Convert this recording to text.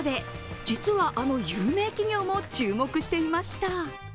実は、あの有名企業も注目していました。